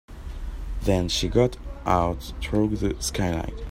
Then she got out through the skylight.